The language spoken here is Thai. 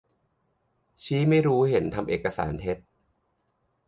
ชี้ไม่รู้เห็นทำเอกสารเท็จ